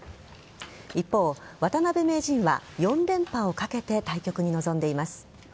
一方、渡辺名人は４連覇をかけて対局に臨んでいます。